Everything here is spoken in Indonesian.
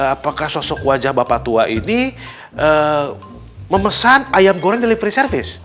apakah sosok wajah bapak tua ini memesan ayam goreng delivery service